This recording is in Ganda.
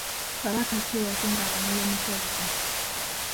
Kabaka ki eyasenza Abanyoro mu Kyaggwe?